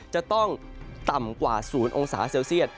จะต้องต่ำกว่า๐องศาเซลเซียต